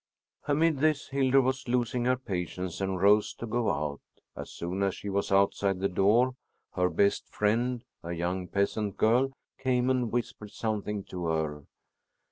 Amid this, Hildur was losing her patience and rose to go out. As soon as she was outside the door, her best friend, a young peasant girl, came and whispered something to her.